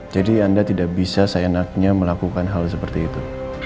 jadi anda tidak bisa sayanaknya melakukan hal seperti itu